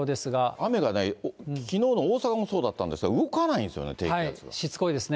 雨がね、きのうの大阪もそうだったんですが、動かないんですしつこいですね。